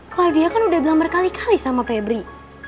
klaudia kan udah bilang berkali kali sama febri